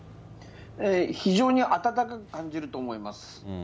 非常に暖かく感じると思います。